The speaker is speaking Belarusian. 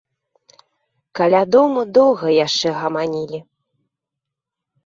Каля дому доўга яшчэ гаманілі.